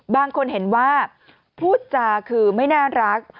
บางคนเห็นว่าพูดจาคือไม่น่ารัก